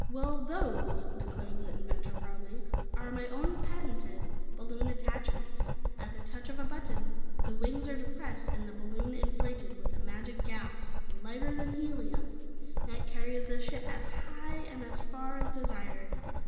"Well those," declared the inventor proudly "are my own, patented, balloon attachments. At the touch of a button, the wings are depressed and the balloon inflated with a magic gas, lighter than helium, that carries the ship as high and as far as desired.